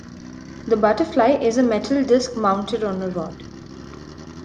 The "butterfly" is a metal disc mounted on a rod.